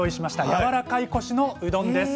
やわらかいコシのうどんです。